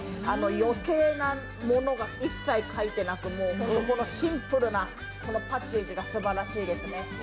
余計なものが一切書いてなくシンプルな、このパッケージがすばらしいですね。